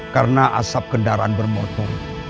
karena asap kendaraan bermotor